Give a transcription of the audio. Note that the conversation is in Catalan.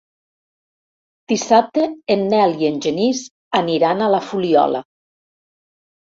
Dissabte en Nel i en Genís aniran a la Fuliola.